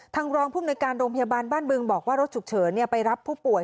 รองภูมิในการโรงพยาบาลบ้านบึงบอกว่ารถฉุกเฉินไปรับผู้ป่วย